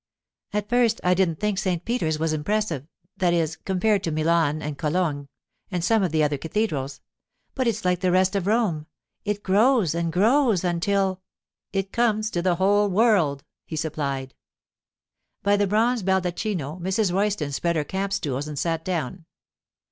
'At first I didn't think St. Peter's was impressive—that is, compared to Milan and Cologne and some of the other cathedrals—but it's like the rest of Rome, it grows and grows until——' 'It comes to be the whole world,' he supplied. By the bronze baldacchino Mrs. Royston spread her camp stools and sat down.